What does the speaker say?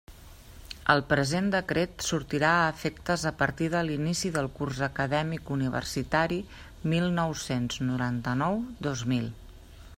El present decret sortirà efectes a partir de l'inici del curs acadèmic universitari mil nou-cents noranta-nou, dos mil.